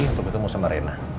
untuk ketemu sama reina